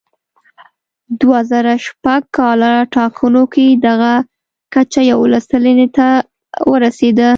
دوه زره شپږ کال ټاکنو کې دغه کچه یوولس سلنې ته ورسېده.